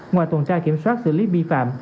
ngoài tồn tra kiểm soát xử lý bi phạm